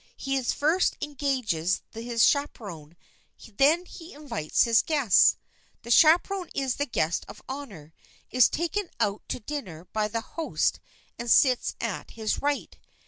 He first engages his chaperon, then invites his guests. The chaperon is the guest of honor, is taken out to dinner by the host and sits at his right.